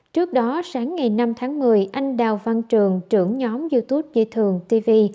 trước đó sáng ngày năm tháng một mươi anh đào văn trường trưởng nhóm youtube như thường tv